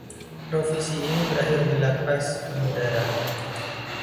Provisi ini berakhir bila pass mengudara.